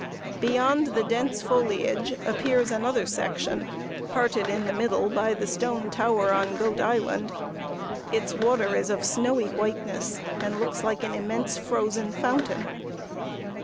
Beyond the dense foliage appears another section, parted in the middle by the stone tower on Goat Island. Its water is of snowy whiteness, and looks like an immense frozen fountain.